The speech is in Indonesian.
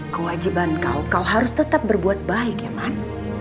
kewajiban kau kau harus tetap berbuat baik ya man